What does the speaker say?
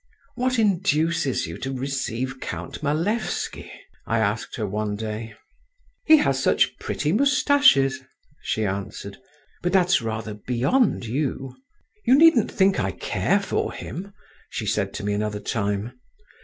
"What induces you to receive Count Malevsky?" I asked her one day. "He has such pretty moustaches," she answered. "But that's rather beyond you." "You needn't think I care for him," she said to me another time.